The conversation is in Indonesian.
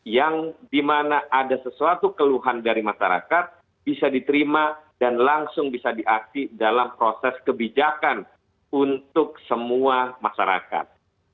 yang dimana ada sesuatu keluhan dari masyarakat bisa diterima dan langsung bisa diakhi dalam proses kebijakan untuk semua masyarakat